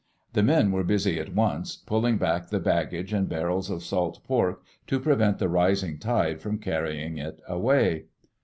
The men were busy at once pulling back the baggage and barrels of salt pork to prevent the rising tide from carrying it away.